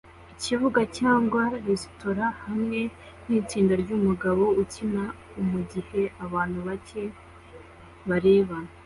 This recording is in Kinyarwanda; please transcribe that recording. Ikibuga cyangwa resitora hamwe nitsinda ryumugabo ukina mugihe abantu bake bareba